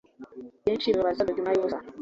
byinshi bibabaza dogma yubusa